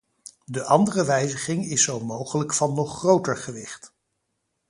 De andere wijziging is zo mogelijk van nog groter gewicht.